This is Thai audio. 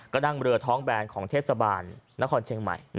ก็นั่งเรือท้องแบนของเทศบาลนครเชียงใหม่